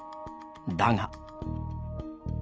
だが。